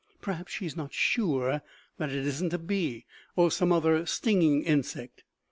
Perhaps she is not sure that it isn't a bee or some other stinging insect.